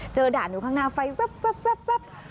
เจอด่านอยู่ข้างหน้าไฟเฮือบ